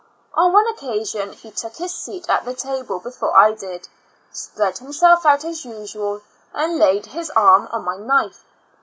On one occasion he took his seat at the table before I did, spread himself out as usual, and laid his arm on my knife.